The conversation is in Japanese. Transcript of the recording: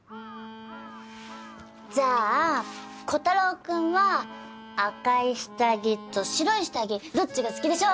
じゃあ炬太郎くんは赤い下着と白い下着どっちが好きでしょうか？